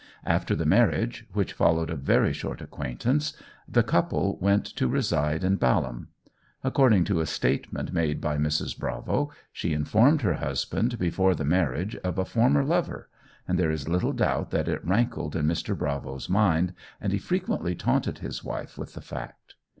After the marriage, which followed a very short acquaintance, the couple went to reside at Balham. According to a statement made by Mrs. Bravo, she informed her husband before the marriage of a former lover, and there is little doubt that it rankled in Mr. Bravo's mind, and he frequently taunted his wife with the fact.